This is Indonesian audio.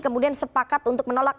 kemudian sepakat untuk menolak